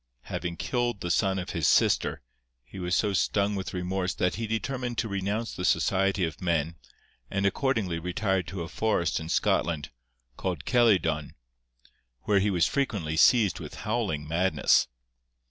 Having killed the son of his sister, he was so stung with remorse that he determined to renounce the society of men, and accordingly retired to a forest in Scotland, called Celydon, where he was frequently seized with howling madness.